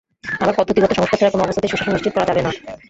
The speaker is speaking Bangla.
আবার পদ্ধতিগত সংস্কার ছাড়া কোনো অবস্থাতেই সুশাসন নিশ্চিত করা যাবে না।